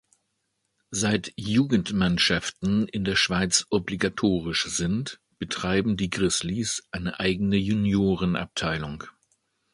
Seit Jugendmannschaften in der Schweiz obligatorisch sind, betreiben die Grizzlies eine eigene Juniorenabteilung.